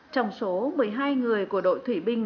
trong số một mươi hai người của đội thủy binh